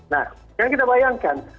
nah jangan kita bayangkan